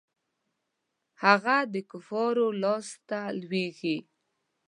هغه د کفارو لاسته لویږي.